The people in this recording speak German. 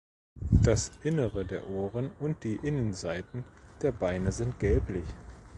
Das Innere der Ohren und die Innenseiten der Beine sind gelblich.